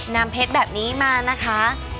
นำเพชรแบบนี้มานะคะ